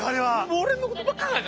俺のことばっかり。